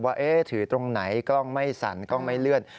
ว่าถือตรงไหนกล้องไม่สั่นกล้องไม่เลื่อน